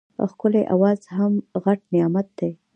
ښکلی اواز هم غټ نعمت دی.